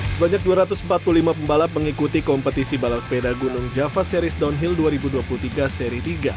sebanyak dua ratus empat puluh lima pembalap mengikuti kompetisi balap sepeda gunung java series downhill dua ribu dua puluh tiga seri tiga